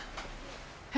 え？